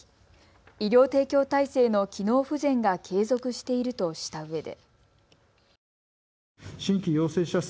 医療提供体制の機能不全が継続しているとしたうえで。